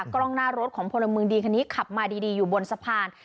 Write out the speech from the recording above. กล้องหน้ารถของพลเมืองดีคนนี้ขับมาดีอยู่บนสะพาน